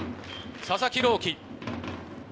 佐々木朗希。